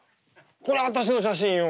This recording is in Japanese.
これ私の写真よ。